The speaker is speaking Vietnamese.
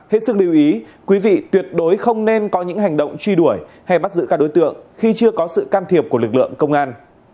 hết sức lưu ý quý vị tuyệt đối không nên có những hành động truy đuổi hay bắt giữ các đối tượng khi chưa có sự can thiệp của lực lượng công an